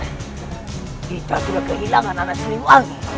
kita sudah kehilangan anak siliwangi